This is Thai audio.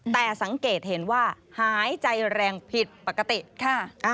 แต่สังเกตเห็นว่าหายใจแรงผิดปกติค่ะ